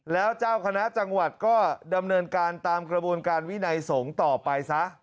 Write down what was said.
แล้วเจ้าคณะจังหวัดก็ดำเนินการตามกระบวนการวินัยสงฆ์ต่อไปซะ